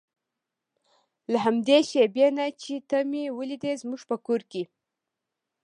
له همدې شېبې نه چې ته مې ولیدې زموږ په کور کې.